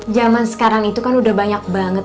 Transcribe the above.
zaman sekarang itu kan udah banyak banget